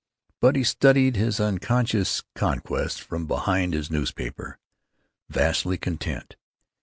But he studied his unconscious conquests from behind his newspaper, vastly content.